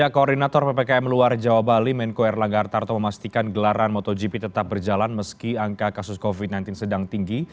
koordinator ppkm luar jawa bali menko erlangga artarto memastikan gelaran motogp tetap berjalan meski angka kasus covid sembilan belas sedang tinggi